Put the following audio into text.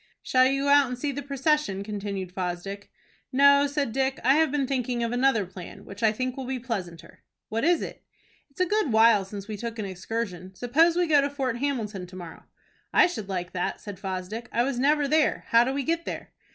"Shall you go out and see the procession?" continued Fosdick. "No," said Dick; "I have been thinking of another plan, which I think will be pleasanter." "What is it?" "It's a good while since we took an excursion. Suppose we go to Fort Hamilton to morrow." "I should like that," said Fosdick. "I was never there. How do we get there?"